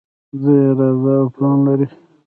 دوی اراده او پلان لري.